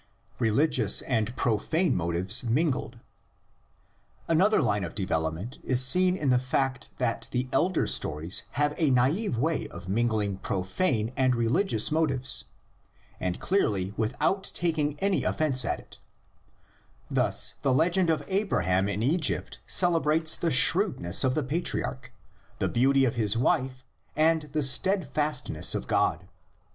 RELIGIOUS AND PROFANE MOTIVES MINGLED. Another line of development is seen in the fact that the elder stories have a naive way of mingling profane and religious motives, and clearly without taking any offence at it: thus the legend of Abra ham in Egypt celebrates the shrewdness of the patriarch, the beauty of his wife and the steadfast ness of God.